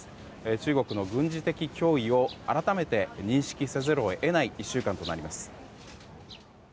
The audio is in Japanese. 中国の軍事的脅威を改めて認識せざるを得ない１週間となります。